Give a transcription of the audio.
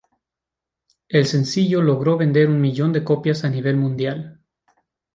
El sencillo logró vender un millón de copias a nivel mundial.